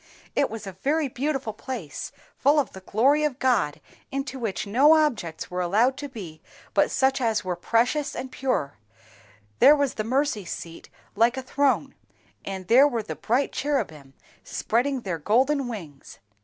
"It was a very beautiful place, full of the glory of God, into which no objects were allowed to be but such as were precious and pure; there was the mercy seat like a throne, and there were the bright cherubim spreading their golden wings.